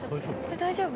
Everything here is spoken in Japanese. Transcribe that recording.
大丈夫？